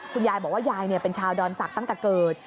คุณยายบอกว่ายายเป็นชาวดอนศักดิ์ตั้งแต่เกิด